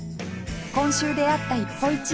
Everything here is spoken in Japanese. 今週出会った一歩一会